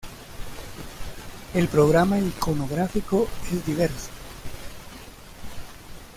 El programa iconográfico es diverso.